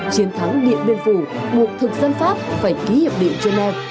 chiến thắng điện biên phủ buộc thực dân pháp phải ký hiệp định cho nam